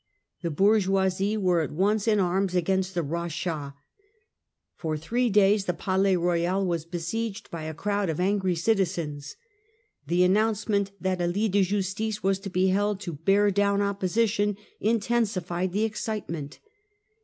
The bourgeoisie were at once in arms against the 'rachat.* For three days ' rachat.' the Palais Royal was besieged by a crowd of angry citizens. The announcement that a lit de justice was to be held to bear down opposition intensified the excitement.